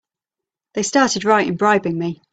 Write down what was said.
They started right in bribing me!